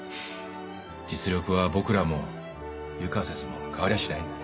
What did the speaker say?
実力は僕らも湯川先生も変わりゃしないんだ。